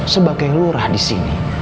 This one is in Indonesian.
sebagai lurah disini